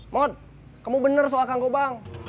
mod kamu bener soal kang gobang